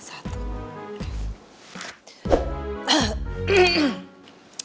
siapa itu kak